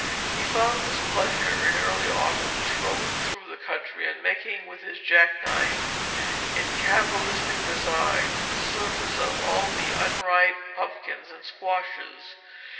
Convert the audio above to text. He found his pleasure in early autumn in strolling through the country, and marking with his jack knife, in cabalistic designs, the surface of all the unripe pumpkins and squashes.